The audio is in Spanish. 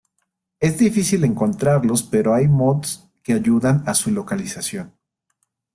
Es difícil encontrarlos, pero hay mods que ayudan a su localización.